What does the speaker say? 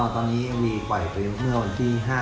ตอนนี้วีกว่าลดมื้องทั้ง๕วันที่๕๓๐